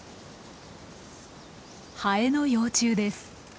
ハエの幼虫です。